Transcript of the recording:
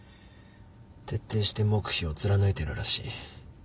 徹底して黙秘を貫いてるらしい。